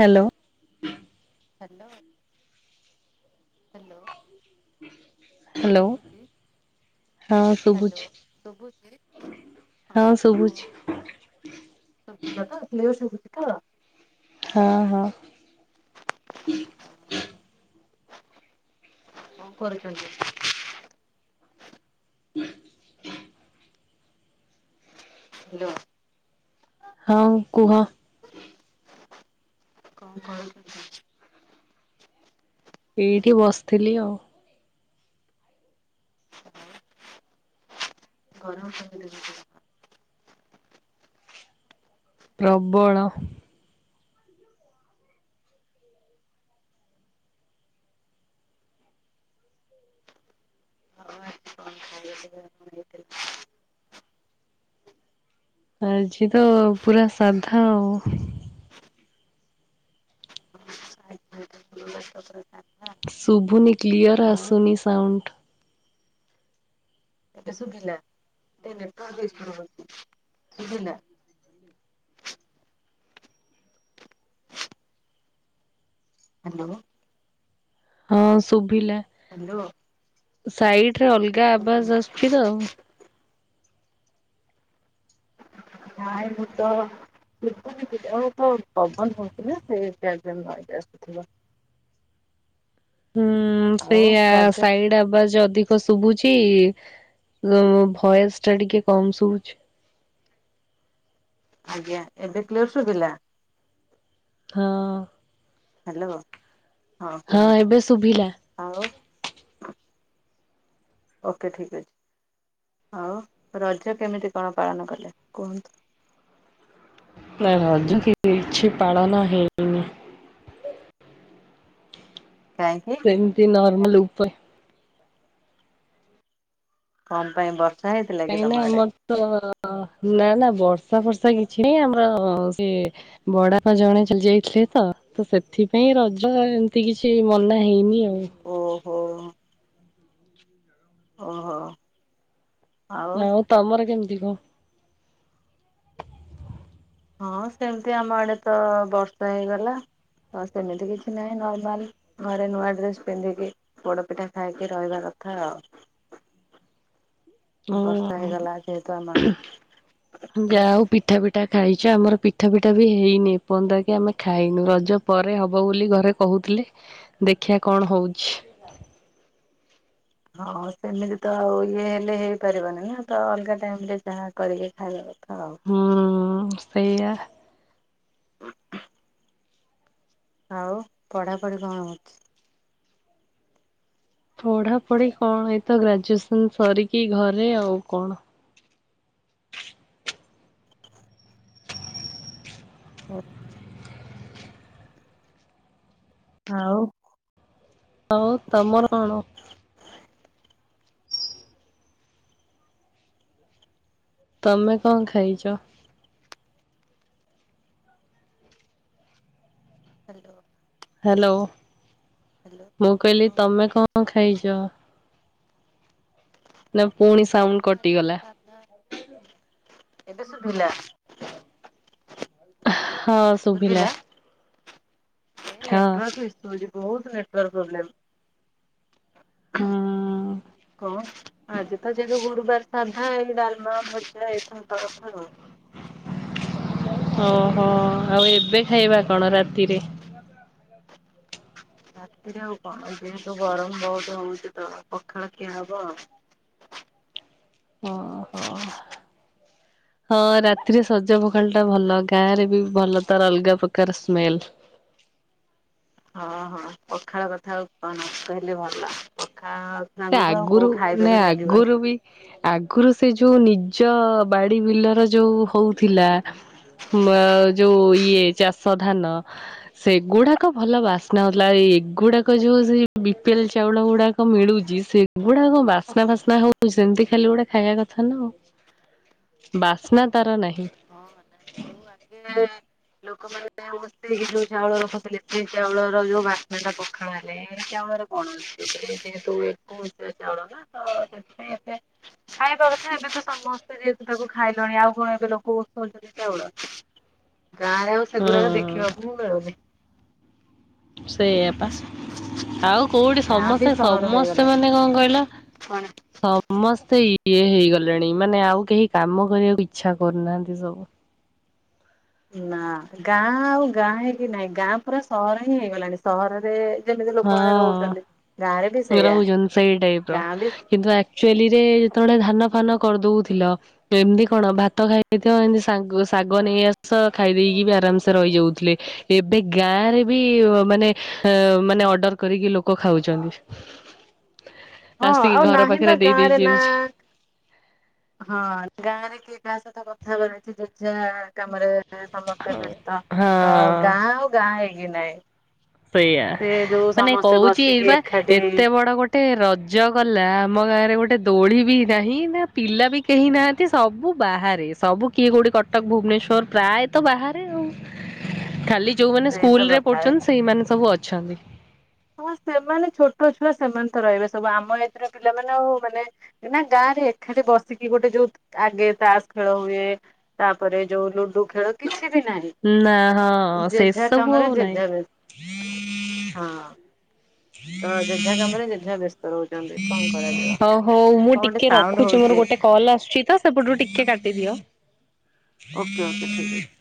Hello. Hello hello. Hello ଶୁଭୁଛି ହଁ hello ଶୁଭୁଛି ଶୁଭୁଛି ହଁ କୁହନ୍ତୁ ଶୁଭିଲା ତ। ତ। ହଁ ହଁ। ଙ୍କ କରୁଛନ୍ତି? ହାଲୋ। ହଁ କୁହ। କଣ କରୁଛନ୍ତି? ଏଇଠି ବସିଥିଲି ଆଉ। ଗରମ କେମିତି ହଉଚି ତମ ଆଡ଼େ? ପ୍ରବଳ। ଆଳୁସିଝା ଆମର ହେଇଥିଲା। ଆଜି ତ ପୁରା ସାଧା ଆଉ। ଆଜି [unintelligible] କ୍ଲିଅର ଆଉ ଆସୁନି ସାଉଣ୍ଡ। ଏବେ ଶୁଭିଲା ଟିକେ ନେଟୱାର୍କ ଇସୁ ରହୁଚି ଶୁଭିଲା। ହାଲୋ। ହଁ ଶୁଭିଲା ହ୍ୟାଲୋ ସାଇଡ ରେ ଅଲଗା ଆବାସ ଆସୁଛି ତ। ନାଇଁ ମୁଁ ତ ଶୁଭୁନି କିଛି ଓହୋ ପବନ ହଉଥିଲେ [unintelligible] ଶୁଭିବ। ହୁଁ ସେଇଆ ସାଇଡ ଆବାଜ ଅଧିକ ଶୁଭୁ। ଛି ଉ ଭଏସ ଟା ଟିକେ କମ ଶୁଭୁଛି। ଆଜ୍ଞା ଏବେ କ୍ଲିଅର ଶୁଭିଲା। ହଁ। ହାଲୋ। ହଁ ଏବେ ଶୁଭିଲା। ଆଉ ଓକେ ଠିକ ଅଛି ଆଉ ରଜ କେମିତି କଣ ପାଳନ କଲେ କୁହନ୍ତୁ। ନା ରଜ କିଛି ପାଳନ ହେଇନି। କାହିଁକି ସେମିତି ନ। ନର୍ମାଲ ଉପ। ତମ ପାଇଁ ବର୍ କାଇଁକି ନା ମୋର ତ। ଅ ନା ନା ବର୍ଷା ଫର୍ଷା କିଛି ନାଇଁ ଆମର ସେ ବଡା ପା ଜଣେ ଚାଲି ଯାଇଥିଲେ ତ ତ ସେଥିପାଇଁ ରଜ ଏମିତି କିଛି ମନା ହେଇନି ଆଉ। ହୁଁ। ହୋ। ଓ ହୋ। ହଉ ତମର କେମତି। [inaudible] ହଁ ସେମିତି ଆମ ଆଡେ ତ ବର୍ଷା ହେଇଗଲା ଆଉ ସେମିତି କିଛି ନାହିଁ ନର୍ମାଲ ଘରେ ନୂଆ ଡ୍ରେସ ପିନ୍ଧିକି ପୋଡ ପିଠା ଖାଇକି ରହିବା କଥା ଆଉ ବର୍ଷା ହଁ ହେଇଗଲା ଆଜି ଯେହେତୁ ଆମ ଆଡେ ଯା ହଉ ପିଠା ପିଠା ଖାଇଛ ଆମର ପିଠା ପିଠା ବି ହେଇନି ଏ ପର୍ଯ୍ୟନ୍ତ କି ଆମେ ଖାଇନୁ ରଜ ପରେ ହବ ବୋଲି ଘରେ କହୁଥିଲେ ଦେଖିିବା କଣ ହଉଛି ହଁ ସେମିତି ତ ଆଉ ଇଏ ହେଲେ ହେଇପାରିବନି ନା ତ ଅଲଗା ଟାଇମ ରେ ଯାହା କରିକି ଖାଇବା କଥା ଆଉ। ହୁଁ ସେଇୟା ଆଉ ପଢ଼ାପଢ଼ି କଣ ହଉଛି ପଢାପଢି କଣ ଏଇତ ଗ୍ରାଜୁଏସନ ସାରିକି ଘରେ ଆଉ କଣ ଓ ହୋ ଆଉ ହଉ ତମର କଣ ତମେ କଣ ଖାଇଛ ହାଲୋ ହ୍ୟାଲୋ ମୁଁ କହିଲି ହଁ ତମେ ଶୁଭୁଛି କଣ ଖାଇଛ ନା ପୁଣି ସାଉଣ୍ଡ କଣ ଆଜି ତ କଟିଗଲା ସାଧା ଏବେ ଶୁଭିଲା ଅ ହଁ ଶୁଭିଲା ହଁ। ନେଟୱର୍କ୍ ଇସୁ ହେଉଛି। ବହୁତ ନେଟୱର୍କ୍ ପ୍ରୋବ୍ଲେମ୍। ହୁଁ କଣ? ଆଜି ତ ଯଦି ଗୁରୁବାର ସାଧା ଡାଲମା ଭଜା ଓହୋ ଆଉ ଏବେ ଖାଇବା କଣ ରାତିରେ। ରାତିରେ ଆଉ କଣ ଯେହେତୁ ଗରମ ବହୁତ ହଉଛି ତ ପଖାଳଖିଆ ହବ ଆଉ। ଓହୋ ହଁ ରାତିରେ ସଜ ପଖାଳ ଟା ଭଲ ଗାଁ ରେ ବି ଭଲ ତାର ଅଲଗା ପ୍ରକାର ସ୍ମେଲ୍। ଓହୋ ପଖାଳ କଥା ଆଉ କହନା ନ କହିଲେ ଭଲ ପଖାଳ ସେ ସାଙ୍ଗକୁ ଆଉ ଆଗରୁ କୋଉ ନା ଖାଇବା ବି ଲାଗିବନି। ଆଗରୁ ବି ଆଗରୁ ସେ ଯୋଉ ନିଜ ଉଚ୍ଚ ବାଡି ବିଲର ଯୋଉ ହଉଥିଲା। ଯୋଉ ଇଏ ଚାଷ ଧାନ ସେଗୁଡାକ ଭଲ ବାସ୍ନା ହେଉଥିଲା। ଏଗୁଡାକ ଯୋଉ ସେ ବିପିଏଲ୍ ଚାଉଳ ଗୁଡାକ ମିଳୁ ଯେ ସେଗୁଡା କଣ ବାସ୍ନା ଫାସ୍ନା ହଉଛି ସେମିତି ଖାଲି ଗୋଟେ ଖାଇବା କଥା ନା ଆଉ ବାସ୍ନା ତାର ନାହିଁ। ହୁଁ [unintelligible] ଏଇ ଯୋଉ ଚାଉଳ ରଖୁଥିଲେ ସେଇ ଚାଉଳର ଯୋଉବାସ୍ନା ଟା ପଖାଳ ହେଲେ ଏ ଚାଉଳରେ କଣ ଅଛି ଯେହେତୁ ଚାଉଳ ତ ସେଥିପାଇଁ ଏବେ ଖାଇବା କଥା ଏବେ ତ ସମସ୍ତେ ଯେହେତୁ ତାକୁ ଖାଇଲଣି ଆଉ କଣ ଏବେ ଲୋକ [unintelligible] ଚାଉଳ। ଗାଁରେ ଆଉ ସେଗୁଡାକ ଦେଖି ଖି ହୁଁ ବାକୁ ମିଳୁନି। ସେଇଆପା ଆଉ କୋଉଠି ଗାଁ ବି ସମସ୍ତେ ସହର ସମସ୍ତେ ହେଇଗଲାଣି ମାନେ କଣ କହିଲ? କଣ ସମସ୍ତେ ଇଏ ହେଇଗଲେଣି ମାନେ ଆଉ କେହି କାମ କରିବାକୁ ଇଚ୍ଛା କରୁନାହାନ୍ତି ସବୁ। ନା ଗାଁ ଆଉ ଗାଁ ହେଇକି ନାହିଁ ଗାଁ ପୁରା ସହର ହିଁ ହେଇଗଲାଣି। ସହରରେ ଯେମିତି ଲୋକମାନେ ରହୁଛନ୍ତି ଗାଁରେ ବି ହଁ ସେଇଆ ରହୁଛନ୍ତି ସେଇ ଟାଇପ୍ ର ଗାଁ ବି କିନ୍ତୁ ଆକ୍ଚୁଲିରେ ଯେତେବେଳେ ଧାନ ଫାନ କରିଦଉଥିଲ ଏମିତି କଣ ଭାତ ଖାଇଦଉଥିବ ଏମତି ଶାଗ ଶାଗ ନେଇଆସ ଖାଇଦେଇକି ବି ଆରାମସେ ରହିଯାଉଥିଲେ । ଏବେ ଗାଁ ରେ ବି ମାନେ ହେ ମାନେ ଅର୍ଡର କରିକି ଲୋକ ଖାଉଛନ୍ତି। ହଁ ଆସିକି ଆଉ ଘର ନାହିଁ ବା ପାଖରେ ଦେଇ ଦେଇ ଗାଁରେ ନା ଯାଉଛି। ହଁ ଗାଁରେ କିଏ କାହା ସହିତ କଥା ହବାର ଅଛି ଯେଝା କାମରେ ସମସ୍ତେ ବ୍ୟସ୍ତ ତ ହଁ। ଗାଁ ଆଉ ଗାଁ ହେଇ ଇଏ ନାଇ। ସେଇଆ ମାନେ କହୁଛି ଇ ବସିକି ବା ଏକାଠି ଏତେ ବଡ ଗୋଟେ ରଜ ଗଲା ଆମ ଗାଁରେ ଗୋଟେ ଦୋଳି ବି ନାହିଁ ନା ପିଲା ବି କେହି ନାହାନ୍ତି ସବୁ ବାହାରେ। ସବୁ କିଏ କୋଉଠି କଟକ ଭୁବନେଶ୍ଵର ପ୍ରାୟତ ବାହାରେ ଆଉ। ଖାଲି ଯୋଉମାନେ ସେଇ ସ୍କୁଲ ତ ରେ କଥା ପଢ଼ୁଛନ୍ତି ମାନେ ସବୁ ଅଛନ୍ତି। ହଁ ସେମାନେ ଛୋଟ ଛୁଆ ସେମାନେ ତ ରହିବେ ସବୁ ଆମ ଏଥିରେ ପିଲାମାନେ ଆଉ ମାନେ ନା ଗାଁ ରେ ଏକାଠି ବସିକି ଗୋଟେ ଯୋଉ ଆଗେ ତାସ ଖେଳ ହୁଏ। ତାପରେ ଯୋଉ ଲୁଡୁ ଖେଳ କି ନା ହଁ ସେ ସବୁ କାମରେ ଆଉ ଯେଝା ବ୍ୟସ୍ତ ହଁ ନାହିଁ। ତ ଯେଝା କାମରେ ଯେଝା ବ୍ୟସ୍ତ ରହୁଛନ୍ତି କଣ କରାଯିବ। ହ ହଉ ମୁଁ କଣ ଗୋଟେ ଟିକେ ସାଉଣ୍ଡ ରଖୁଛି। ହଉଛି। ମୋର ଗୋଟେ କଲ ଆସୁଛି ତ ସେପଟରୁ ଟିକେ କାଟିଦିଅ। ଓକେ ଓକେ ଠିକ ଅଛି।